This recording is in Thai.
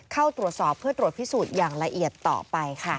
เข้าตรวจสอบเพื่อตรวจพิสูจน์อย่างละเอียดต่อไปค่ะ